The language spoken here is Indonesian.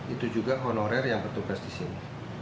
itu juga honorer yang bertugas di sini